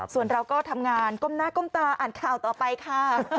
ส่วนเราก็ทำงานก้มหน้าก้มตาอ่านข่าวต่อไปค่ะ